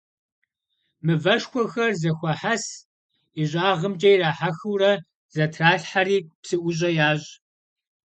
Мывэшхуэхэр зэхуахьэс, ищӀагъымкӀэ ирахьэхыурэ, зэтралъхьэри, псыӀущӀэ ящӀ.